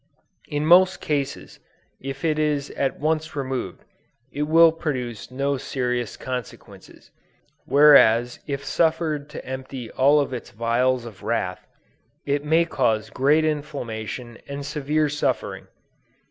In most cases if it is at once removed, it will produce no serious consequences; whereas if suffered to empty all its vials of wrath, it may cause great inflammation and severe suffering.